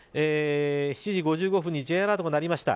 ７時５５分にＪアラートが鳴りました。